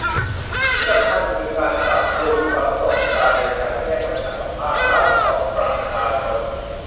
ที่สำคัญคือ การปรับปรุงประสบการณ์ในการแจ้งปัญหากับภาครัฐต่อประชาชน